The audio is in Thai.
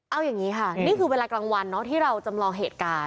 เอาอย่างนี้ค่ะนี่คือเวลากลางวันที่เราจำลองเหตุการณ์